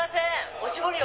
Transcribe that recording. おしぼりを！」